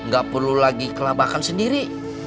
gak perlu lagi kelabakan sendiri